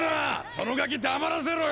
そのガキ黙らせろよ！